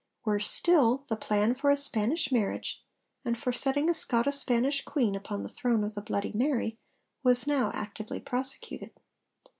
Worse still, the plan for a Spanish marriage, and for setting a Scoto Spanish queen upon the throne of the Bloody Mary, was now actively prosecuted.